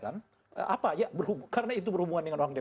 apa ya karena itu berhubungan dengan orang dpr